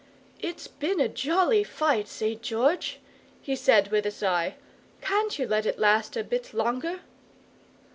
"It's been a jolly fight, St. George!" he said with a sigh. "Can't you let it last a bit longer?"